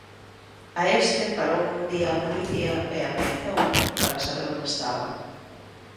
A este parouno un día a policía e ameazouno para saber onde estaba.